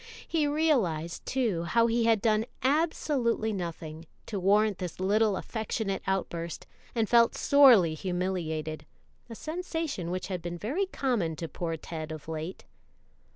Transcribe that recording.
He realized, too, how he had done absolutely nothing; to warrant this little affectionate outburst, and felt sorely humiliated a sensation which had been very common to poor Ted of late.